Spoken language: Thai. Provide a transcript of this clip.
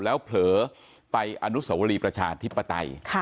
แล้วเผลอไปอนุสวรีประชาธิปไตย